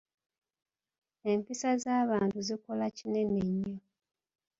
Empisa z’abantu zikola kinene nnyo.